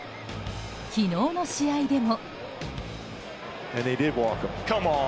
昨日の試合でも。